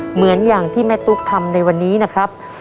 เหมือนอย่างที่แม่ตุ๊กทำในวันนี้นะครับ